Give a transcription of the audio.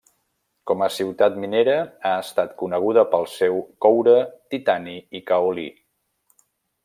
Com a ciutat minera ha estat coneguda pel seu coure, titani i caolí.